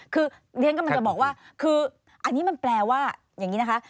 คือเรียนกำลังจะบอกว่าคืออันนี้มันแปลว่าอย่างนี้นะคะ